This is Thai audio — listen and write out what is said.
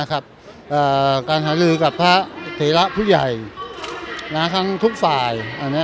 การหาลือกับพระเถระผู้ใหญ่ทั้งทุกฝ่าย